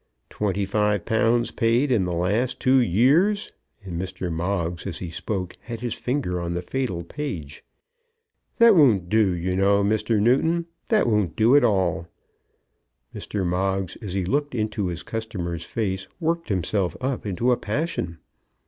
Twenty five pounds paid in the last two years!" and Mr. Moggs as he spoke had his finger on the fatal page. "That won't do, you know, Mr. Newton; that won't do at all!" Mr. Moggs, as he looked into his customer's face, worked himself up into a passion.